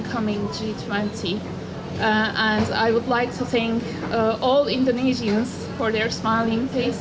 dan saya ingin mengucapkan terima kasih kepada semua orang indonesia untuk wajahnya